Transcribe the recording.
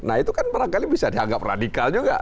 nah itu kan barangkali bisa dianggap radikal juga